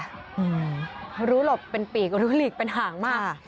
เขารู้หลบเป็นปีกรู้หลีกเป็นห่างมาก